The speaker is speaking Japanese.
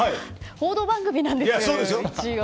報道番組なんですよ、一応。